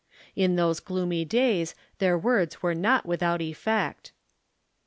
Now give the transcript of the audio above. In those gloomy days their words were not without effect.